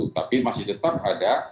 tapi masih tetap ada